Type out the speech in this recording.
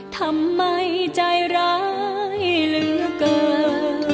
ทำไมใจร้ายเหลือเกิน